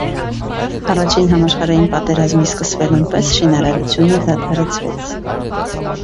Առաջին համաշխարհային պատերազմի սկսվելուն պես շինարարությունը դադարեցվեց։